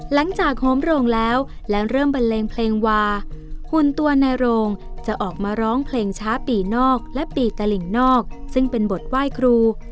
โหมโรงแล้วแล้วเริ่มบันเลงเพลงวาหุ่นตัวนายโรงจะออกมาร้องเพลงช้าปีนอกและปีตลิ่งนอกซึ่งเป็นบทไหว้ครู